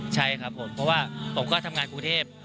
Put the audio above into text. ใช่ครับผมเพราะว่าผมก็ทำงานกรุงเทพ